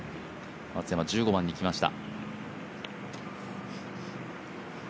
松山、１５番に来ました。